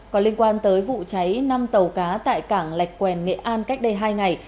còn liên quan tới vụ cháy năm tàu cá tại cảng lạch quèn nghệ an cách đây hai ngày